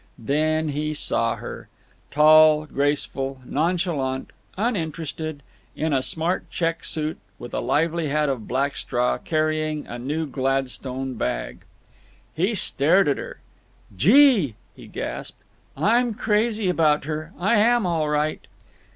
Then he saw her—tall, graceful, nonchalant, uninterested, in a smart check suit with a lively hat of black straw, carrying a new Gladstone bag. He stared at her. "Gee!" he gasped. "I'm crazy about her. I am, all right."